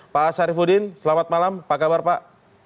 pak syarifudin selamat malam apa kabar pak